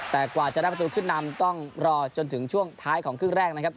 แต่กว่าจะได้ประตูขึ้นนำต้องรอจนถึงช่วงท้ายของครึ่งแรกนะครับ